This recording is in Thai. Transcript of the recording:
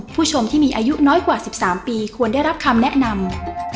ผู้ชมที่มีอายุน้อยกว่า๑๓ปีควรได้รับคำแนะนำ